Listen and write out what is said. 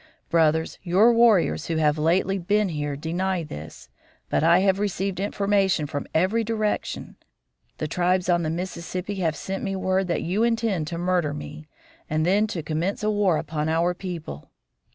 "Brothers, your warriors who have lately been here deny this, but I have received information from every direction; the tribes on the Mississippi have sent me word that you intended to murder me, and then to commence a war upon our people.